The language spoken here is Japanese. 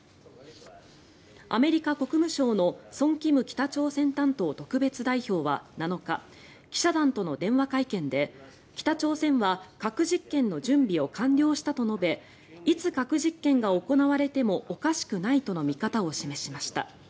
アメリカ国務省のソン・キム北朝鮮担当特別代表は７日記者団との電話会見で北朝鮮は核実験の準備を完了したと述べいつ核実験が行われてもおかしくないとの見方を示しました。